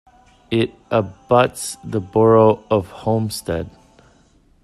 It abuts the borough of Homestead.